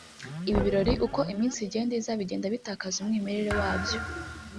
Ibi birori uko iminsi igenda iza bigenda bitakaza umwimerere wabyo